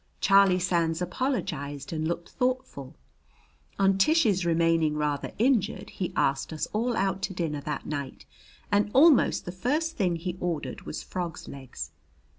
Charlie Sands apologized and looked thoughtful. On Tish's remaining rather injured, he asked us all out to dinner that night, and almost the first thing he ordered was frogs' legs.